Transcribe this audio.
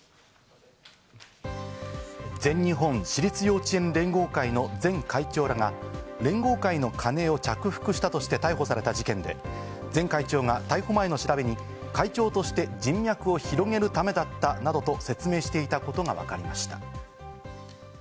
全日本私立幼稚園連合会の前会長らが連合会のカネを着服したとして逮捕された事件で、前会長が逮捕前の調べに会長として人脈を広げるためだったなどと説明していたことがわかりました。